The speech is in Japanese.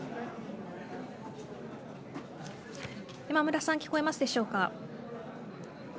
山村さん聞こえますでしょうか。